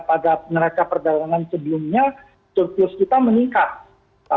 pada neraca perdagangan sebelumnya surplus kita meningkat